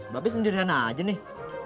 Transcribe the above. bapak sendiri aja nih